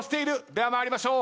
では参りましょう。